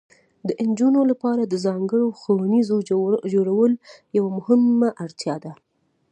د نجونو لپاره د ځانګړو ښوونځیو جوړول یوه مهمه اړتیا ده.